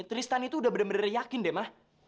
tristan itu udah bener bener yakin deh malah